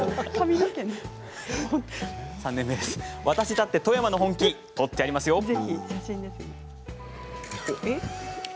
私だって「富山の本気」撮ってやりますよ。